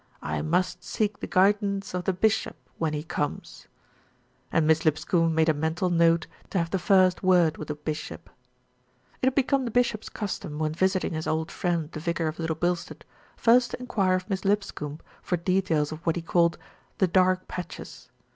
"I must seek the guidance of the bishop when he comes," and Miss Lipscombe made a mental note to have the first word with the bishop. It had become the bishop's custom, when visiting his old friend, the vicar of Little Bilstead, first to enquire of Miss Lipscombe for details of what he called "the dark patches."